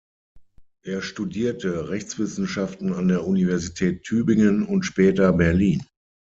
Er studierte Rechtswissenschaften an der Universität Tübingen und später Berlin.